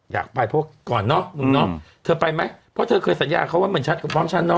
อยากไปเพราะว่าก่อนเนอะเธอไปไหมเพราะเธอเคยสัญญาเขาว่าเหมือนฉันกับพร้อมฉันเนา